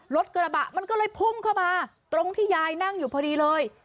รถกระบะมันก็เลยพุ่งเข้ามาตรงที่ยายนั่งอยู่พอดีเลย